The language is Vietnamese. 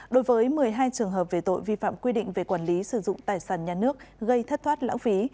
đối với một mươi hai trường hợp về tội vi phạm quy định về quản lý sử dụng tài sản nhà nước gây thất thoát lãng phí